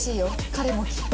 彼もきっと。」